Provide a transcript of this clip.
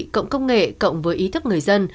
cộng công nghệ cộng với ý thức người dân